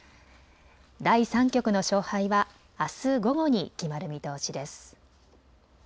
第３局の勝敗はあす午後に決まる見通しです。